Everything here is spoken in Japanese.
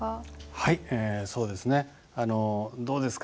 はいそうですね。